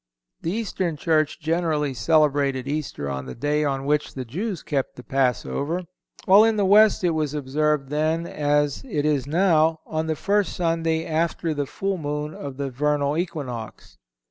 The Eastern Church generally celebrated Easter on the day on which the Jews kept the Passover, while in the West it was observed then, as it is now, on the first Sunday after the full moon of the vernal equinox.